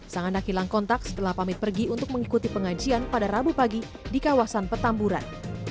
sang anak hilang kontak setelah pamit pergi untuk mengikuti pengajian pada rabu pagi di kawasan petamburan